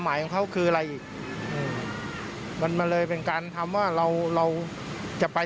ให้เขาได้คิดกันทั่วไป